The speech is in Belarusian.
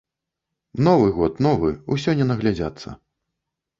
Новы год, новы, ўсё не наглядзяцца.